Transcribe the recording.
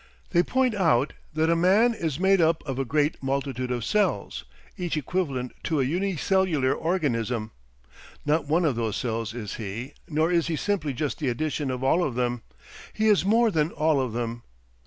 They point out that a man is made up of a great multitude of cells, each equivalent to a unicellular organism. Not one of those cells is he, nor is he simply just the addition of all of them. He is more than all of them.